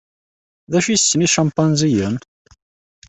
D acu i setten yicimpanziyen?